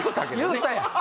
言うたやん